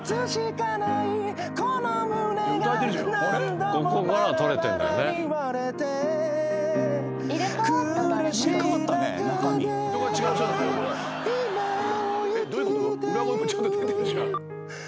裏声もちゃんと出てるじゃん。